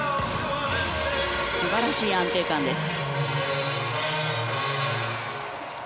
素晴らしい安定感です。